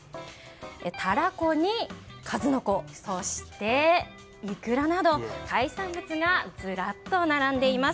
タラコに数の子そしてイクラなど海産物がずらっと並んでいます。